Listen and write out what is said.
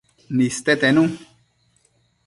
niste tenu